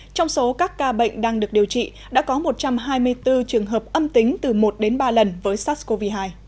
trong số các ca bệnh đang được điều trị đã có một trăm hai mươi bốn trường hợp âm tính từ một đến ba lần với sars cov hai